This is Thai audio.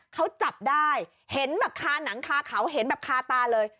เขาจับได้เห็นแบบคาหนังคาเขาเห็นแบบคาตาเลย